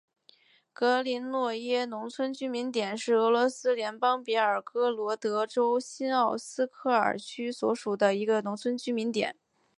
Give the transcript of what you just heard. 格林诺耶农村居民点是俄罗斯联邦别尔哥罗德州新奥斯科尔区所属的一个农村居民点。